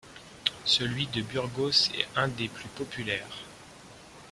Celui de Burgos est un des plus populaires.